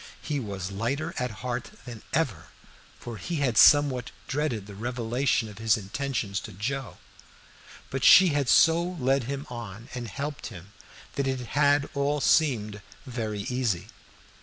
He was lighter at heart than ever, for he had somewhat dreaded the revelation of his intentions to Joe; but she had so led him on and helped him that it had all seemed very easy.